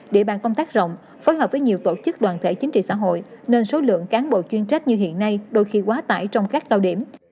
địa bàn công tác rộng phối hợp với nhiều tổ chức đoàn thể chính trị xã hội nên số lượng cán bộ chuyên trách như hiện nay đôi khi quá tải trong các cao điểm